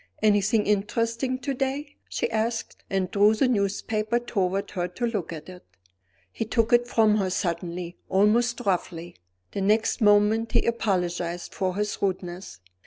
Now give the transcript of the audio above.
"Anything interesting to day?" she asked and drew the newspaper toward her to look at it. He took it from her suddenly, almost roughly. The next moment he apologized for his rudeness.